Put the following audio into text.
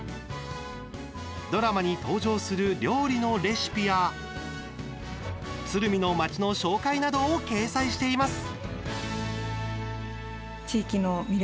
ドラマに登場する料理のレシピや鶴見の街の紹介などを掲載しています。